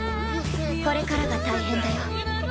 これからが大変だよ。